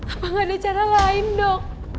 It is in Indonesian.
apa gak ada cara lain dok